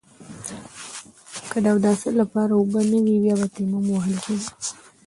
که د اوداسه لپاره اوبه نه وي بيا به تيمم وهل کېده.